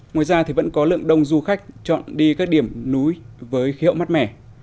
ngoài ra thì vẫn có lượng đông du khách chọn đi các điểm núi với khí hậu mát mẻ